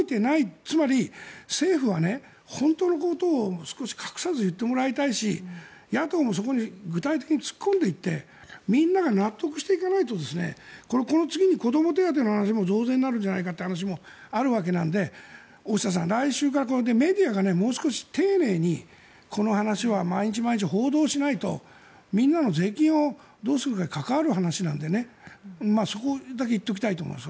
つまり政府は本当のことを少し隠さず言ってもらいたいし野党もそこに具体的に突っ込んでいってみんなが納得していかないとこの次に子ども手当の話も増税になるんじゃないかという話もあるわけなので大下さん、来週からメディアがもう少し丁寧にこの話は毎日毎日報道しないとみんなの税金をどうするかに関わる話なのでそこだけ言っておきたいと思います。